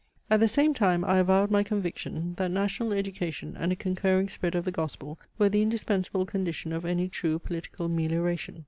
At the same time I avowed my conviction, that national education and a concurring spread of the Gospel were the indispensable condition of any true political melioration.